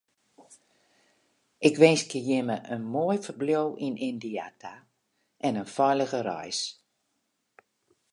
Ik winskje jimme in moai ferbliuw yn Yndia ta en in feilige reis.